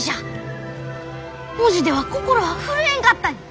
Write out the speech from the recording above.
文字では心は震えんかったに！